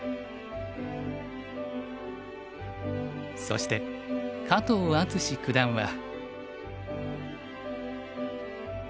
そして加藤充志九段は。